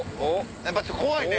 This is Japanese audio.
やっぱちょっと怖いね。